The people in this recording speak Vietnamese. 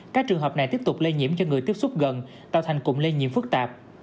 các trường hợp này tiếp tục lây nhiễm cho người tiếp xúc gần tạo thành cụm lây nhiễm phức tạp